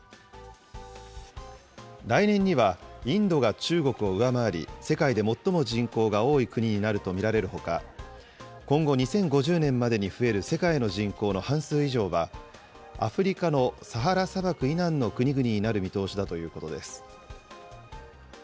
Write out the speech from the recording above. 来年にはインドが中国を上回り、世界で最も人口が多い国になると見られるほか、今後２０５０年までに増える世界の人口の半数以上は、アフリカのサハラ砂漠以南の国々になる見通しだということです。